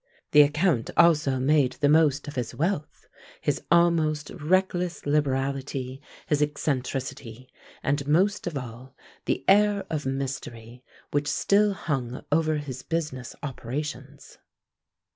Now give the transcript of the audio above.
The account also made the most of his wealth, his almost reckless liberality, his eccentricity, and, most of all, the air of mystery which still hung over his business operations.